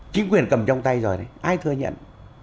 chính quyền cầm trong tay rồi đấy ai thừa nhận